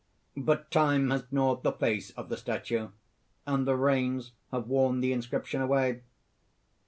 But time has gnawed the face of the statue, and the rains have worn the inscription away."